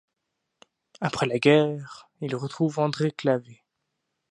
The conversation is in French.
Après la Guerre, il retrouve André Clavé.